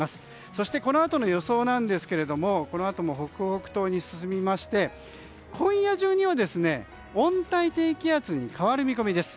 そして、このあとの予想ですがこのあとも北北東に進みまして今夜中には温帯低気圧に変わる見込みです。